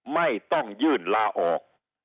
ไม่ต้องยื่นลาออก